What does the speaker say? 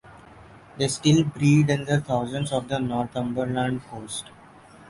They still breed in their thousands off the Northumberland Coast.